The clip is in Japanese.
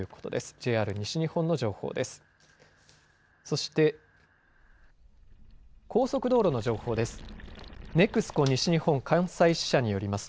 ＪＲ西日本の情報です。